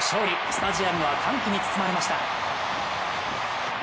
スタジアムは歓喜に包まれました。